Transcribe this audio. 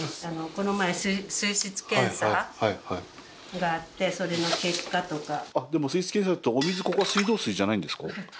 この前水質検査があってでも水質検査ってお水ここは水道水じゃないんですか？